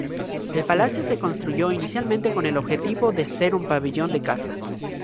El palacio se construyó inicialmente con el objetivo de ser un pabellón de caza.